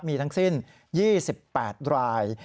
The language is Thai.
มีทั้งสิ้น๒๘ราย